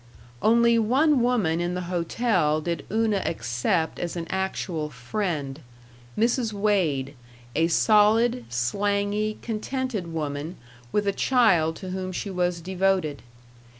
Only one woman in the hotel did Una accept as an actual friend Mrs. Wade, a solid, slangy, contented woman with a child to whom she was devoted.